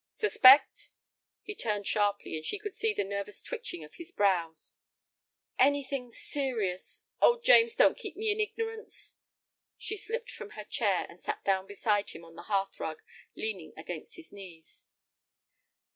"Suspect?" He turned sharply, and she could see the nervous twitching of his brows. "Anything serious? Oh—James, don't keep me in ignorance." She slipped from her chair, and sat down beside him on the hearth rug, leaning against his knees.